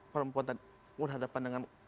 perempuan menghadapkan dengan